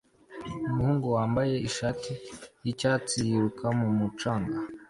Umuhungu wambaye ishati yicyatsi yiruka mumucanga